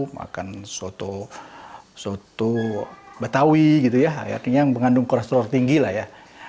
makan soto betawi gitu ya artinya yang mengandung kolesterol tinggi lah ya